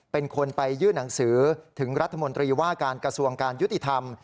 เป็นคนไปยื่นหนังสือถึงรัฐมนตรีว่าการกระทรวงการยุติธรรม